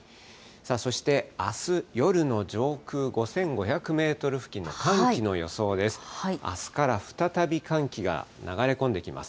そしてあす夜の上空５５００メートル付近の寒気の予想です。